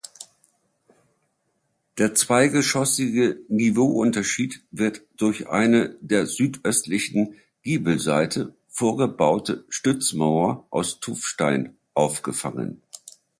Der zweigeschossige Niveauunterschied wird durch eine der südöstlichen Giebelseite vorgebaute Stützmauer aus Tuffstein aufgefangen.